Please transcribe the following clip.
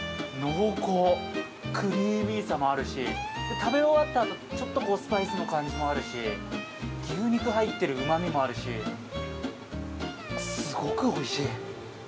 食べ終わったあと、ちょっとスパイスの感じもあるし、牛肉が入ってるうまみもあるし、すごくおいしい！